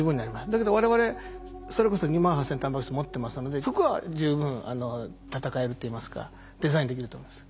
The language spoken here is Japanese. だけど我々それこそ２万８，０００のタンパク質持ってますのでそこは十分闘えるといいますかデザインできると思います。